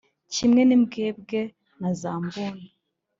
kimwe n’imbwebwe na za mbuni,